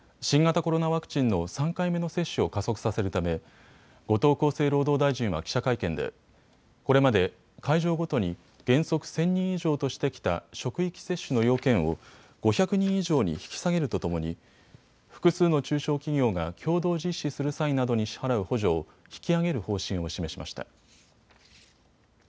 新型コロナワクチンの３回目の接種を加速させるため後藤厚生労働大臣は記者会見でこれまで会場ごとに原則１０００人以上としてきた職域接種の要件を５００人以上に引き下げるとともに複数の中小企業が共同実施する際などに支払う補助を引き上げる方針を示しました。